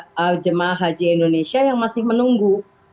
sekarang kan banyak juga jama'ah haji indonesia yang masih menunggu